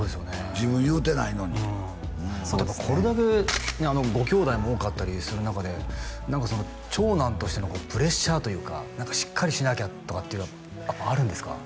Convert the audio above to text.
自分言うてないのにでもこれだけご兄弟も多かったりする中で長男としてのプレッシャーというかしっかりしなきゃとかってあるんですか？